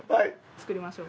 作りましょう。